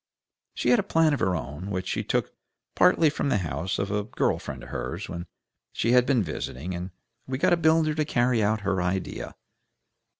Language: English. She had a plan of her own, which she took partly from the house of a girl friend of hers where she had been visiting, and we got a builder to carry out her idea.